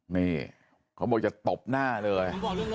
นี่เค้าบอกอย่าตบหน้าเลย